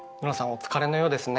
お疲れのようですね。